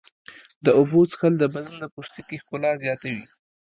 د اوبو څښل د بدن د پوستکي ښکلا زیاتوي.